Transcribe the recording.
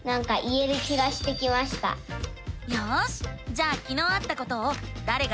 よしじゃあきのうあったことを「だれが」